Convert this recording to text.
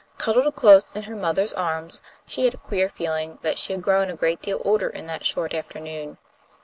Cuddled close in her mother's arms, she had a queer feeling that she had grown a great deal older in that short afternoon.